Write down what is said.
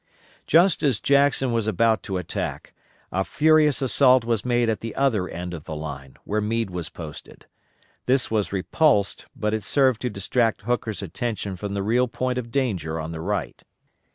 _ Just as Jackson was about to attack, a furious assault was made at the other end of the line, where Meade was posted. This was repulsed but it served to distract Hooker's attention from the real point of danger on the right.